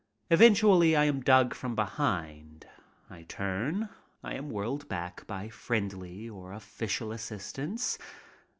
Eventually I am dug from behind. I turn. I am whirled back by friendly or official assistance.